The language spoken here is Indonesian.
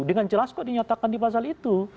dengan jelas kok dinyatakan di pasal itu